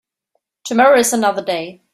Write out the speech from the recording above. Tomorrow is another day.